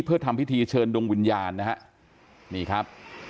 เพื่อทำพิธีเชิญดวงวิญญาณนะฮะนี่ครับ